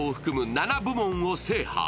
７部門を制覇。